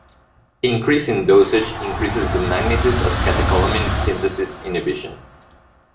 Increase in dosage increases the magnitude of catecholamine synthesis inhibition.